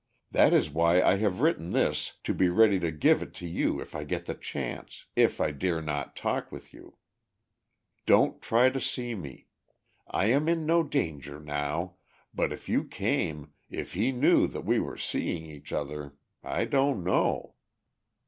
That is why I have written this to be ready to give it to you if I get the chance, if I dare not talk with you. Don't try to see me. I am in no danger now, but if you came, if he knew that we were seeing each other.... I don't know."